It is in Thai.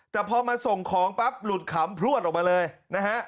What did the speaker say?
แต่พอมาส่งของปั๊บหลุดขำพลวดออกมาเลยนะฮะ